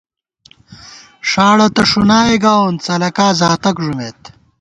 ݭاڑہ تہ ݭُنائے گاوون څَلَکا زاتک ݫمېت